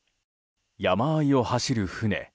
山あいを走る船。